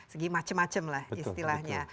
segi macem macem lah istilahnya